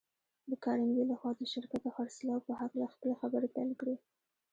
د کارنګي لهخوا د شرکت د خرڅلاو په هکله خپلې خبرې پيل کړې.